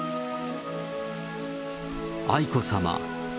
愛子さま。